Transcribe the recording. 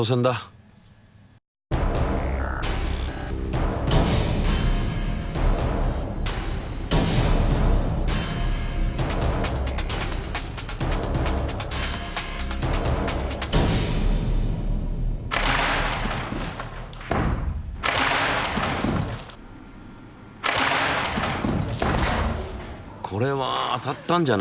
これは当たったんじゃない？